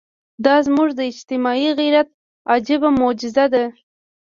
دا زموږ د اجتماعي غیرت عجیبه معجزه ده.